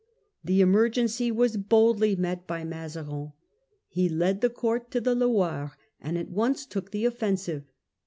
The emergency was boldly met by Mazarin. He led the court to the Loire, and at once took the offensive.